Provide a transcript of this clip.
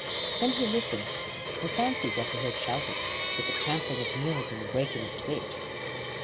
Then he listened, and fancied that he heard shouting, with the trampling of mules and the breaking of twigs.